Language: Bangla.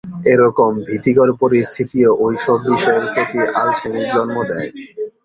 এরকম ভীতিকর পরিস্থিতিও ঐসব বিষয়ের প্রতি আলসেমির জন্ম দেয়।